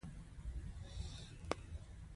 چې که جګړه دوام وکړي، حکومت به یې پر کورنۍ.